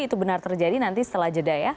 itu benar terjadi nanti setelah jeda ya